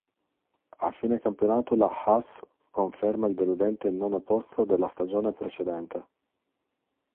A fine campionato la Haas conferma il deludente nono posto della stagione precedente.